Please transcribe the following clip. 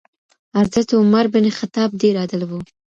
حضرت عمر بن خطاب ډېر عادل و.